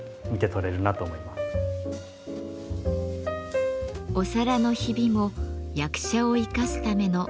お皿のひびも役者を生かすための演出に。